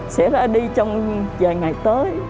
sẽ ra đi trong vài ngày tới